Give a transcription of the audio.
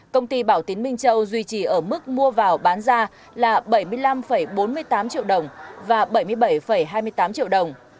công ty bảo tín minh châu duy trì ở mức mua vào bán ra là bảy mươi năm bốn mươi tám triệu đồng và bảy mươi bảy hai mươi tám triệu đồng